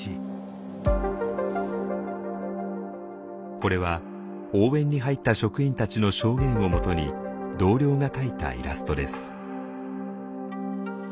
これは応援に入った職員たちの証言をもとに同僚が描いたイラストです。